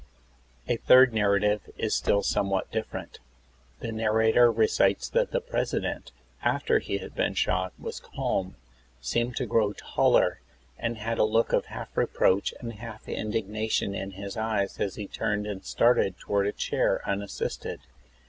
A third narrative is still somewhat different. The narrator recites that the President, after he had been shot, was calm, seemed to grow taller, and had a look of half reproach and half indignation in his eyes as he turned and started toward a chair unassisted.